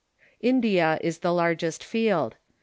India is the largest field.